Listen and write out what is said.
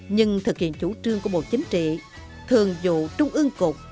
nhưng thực hiện chủ trương của bộ chính trị thường vụ trung ương cục